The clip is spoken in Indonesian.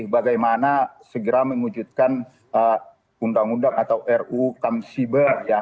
bagaimana segera mengwujudkan undang undang atau ru kamsiber ya